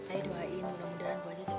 ayo doain mudah mudahan bu aja cepet sembuh